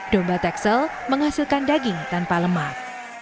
domba texel menghasilkan daging tanpa lemak